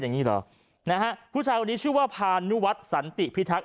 อย่างนี้เหรอนะฮะผู้ชายคนนี้ชื่อว่าพานุวัฒน์สันติพิทักษ